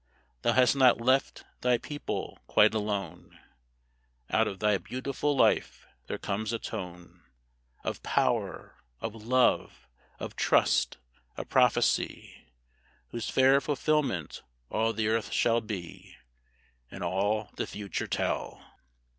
Thou hast not left thy people quite alone, Out of thy beautiful life there comes a tone Of power, of love, of trust, a prophecy, Whose fair fulfilment all the earth shall be, And all the Future tell.